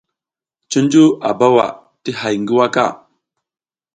Cunju a bawa ti hay ngi waka.